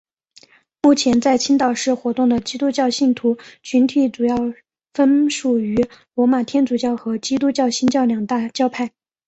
目前在青岛市活动的基督教信徒群体主要分属于罗马天主教和基督教新教两大教派。